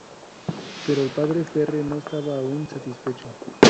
Pero el Padre Ferre no estaba aún satisfecho.